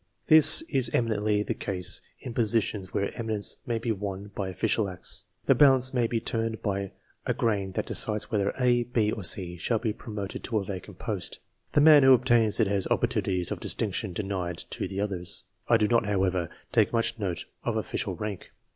This is eminently the case in positions where eminence may be won by official acts. The balance may be turned by a grain that decides whether A, B, or C shall be promoted to a vacant post. The man who obtains it has opportunities of distinction denied to the others. I do not, however, take much note of official rank.